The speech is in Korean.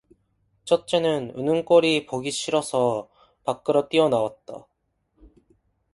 첫째는 우는 꼴이 보기 싫어서 밖으로 뛰어나왔다.